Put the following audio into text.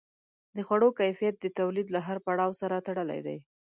د خوړو کیفیت د تولید له هر پړاو سره تړلی دی.